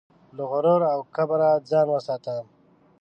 له غرور او کبره ځان وساته.